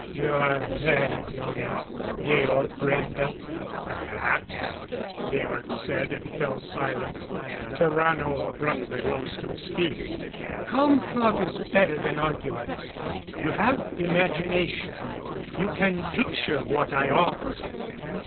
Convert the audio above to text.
You are very young, Georg Brende." "Perhaps," Georg said, and fell silent. Tarrano abruptly rose to his feet. "Calm thought is better than argument. You have imagination you can picture what I offer.